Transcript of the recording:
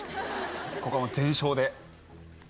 ここはもう全勝で。